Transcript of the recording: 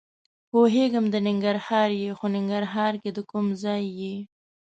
پوهېږم د ننګرهار یې؟ خو ننګرهار کې د کوم ځای یې؟